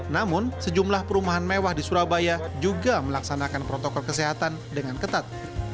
namun sejumlah perumahan mewah di surabaya juga melaksanakan protokol kesehatan dengan ketat